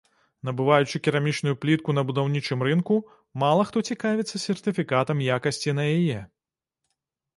Набываючы керамічную плітку на будаўнічым рынку, мала хто цікавіцца сертыфікатам якасці на яе.